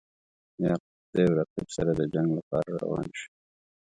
یعقوب د یو رقیب سره د جنګ لپاره روان شو.